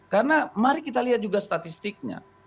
karena mari kita lihat juga statistiknya